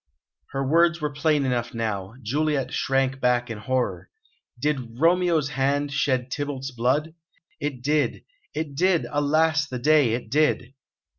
Her words were plain enough now. Juliet shrank back in horror. "Did Romeo's hand shed Tybalt's blood?" "It did it did. Alas the day, it did!"